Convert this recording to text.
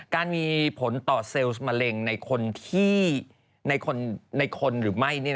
การมีผลต่อเซลล์มะเร็งในคนหรือไม่